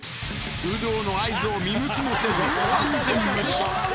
有働の合図を見向きもせず、完全無視。